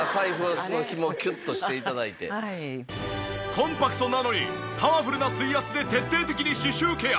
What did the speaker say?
コンパクトなのにパワフルな水圧で徹底的に歯周ケア。